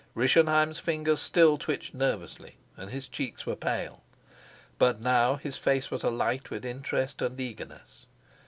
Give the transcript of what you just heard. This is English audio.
Rischenheim's fingers still twitched nervously and his cheeks were pale. But now his face was alight with interest and eagerness.